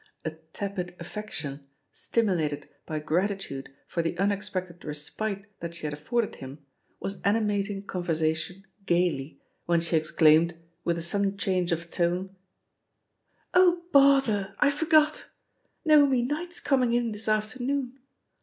A tepid affection, stimulated by gratitude for the unexpected respite that she had afforded him, was animating conversation gaily, when she exclaimed, with a sudden change of tone: "Oh, bother I I forgot I Naomi Knight's comb ing in this afternoon.